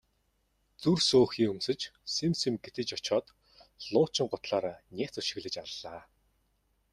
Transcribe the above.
Зүр сөөхий өмсөж сэм сэм гэтэж очоод луучин гутлаараа няц өшиглөж аллаа.